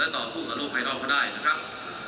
และต่อสู้กับลูกไข่น้องเขาได้นะครับ